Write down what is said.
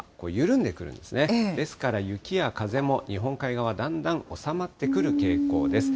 ですから雪や風も日本海側、だんだん収まってくる傾向です。